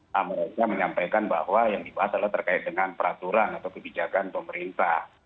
nah mereka menyampaikan bahwa yang dibahas adalah terkait dengan peraturan atau kebijakan pemerintah